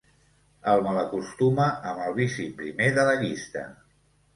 El malacostuma amb el vici primer de la llista.